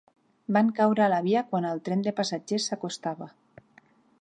Van caure a la via quan el tren de passatgers s'acostava.